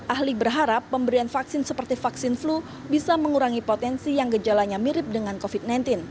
ahli berharap pemberian vaksin seperti vaksin flu bisa mengurangi potensi yang gejalanya mirip dengan covid sembilan belas